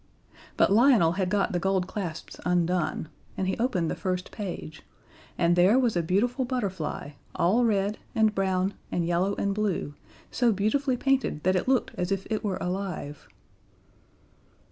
But Lionel had got the gold clasps undone, and he opened the first page, and there was a beautiful Butterfly all red, and brown, and yellow, and blue, so beautifully painted that it looked as if it were alive.